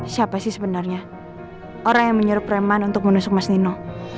siapa sih sebenarnya orang yang menyuruh preman untuk menusuk mas nino